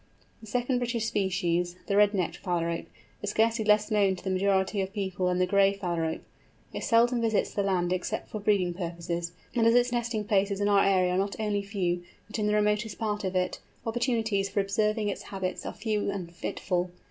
The second British species, the Red necked Phalarope, is scarcely less known to the majority of people than the Gray Phalarope. It seldom visits the land except for breeding purposes, and as its nesting places in our area are not only few, but in the remotest part of it, opportunities for observing its habits are few and fitful.